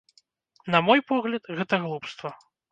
На мой погляд, гэта глупства.